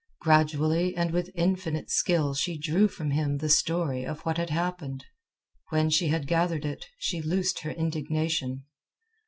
Gradually and with infinite skill she drew from him the story of what had happened. When she had gathered it, she loosed her indignation.